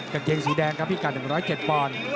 กางเกงสีแดงครับพิกัด๑๐๗ปอนด์